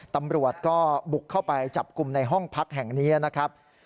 ตำรวจก็บุกเข้าไปจับกลุ่มในห้องพักแห่งนี้นะครับ